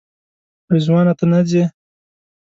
رضوانه ته نه ځې؟